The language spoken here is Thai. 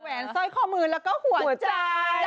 แหวนซ่อยข้อมือแล้วก็หัวใจ